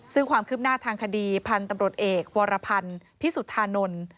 ซึ่งความคืบหน้าทางคดีพันธุ์ตำรวจเอกวรพันธ์พิสุทธานนท์